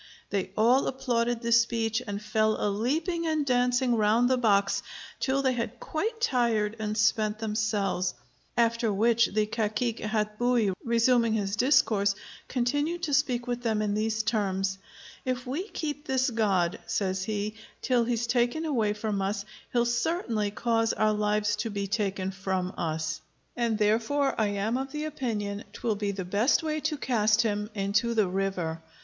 They all applauded this speech, and fell a leaping and dancing round the box, till they had quite tired and spent themselves. After which the Cacique Hatbuey, resuming his discourse, continued to speak to them in these terms: "If we keep this God," says he, "till he's taken away from us, he'll certainly cause our lives to be taken from us; and therefore I am of the opinion 'twill be the best way to cast him into the river."